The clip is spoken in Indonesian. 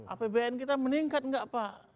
apbn kita meningkat nggak pak